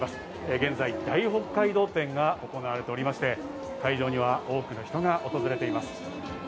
現在、大北海道展が行われておりまして会場には多くの人が訪れています。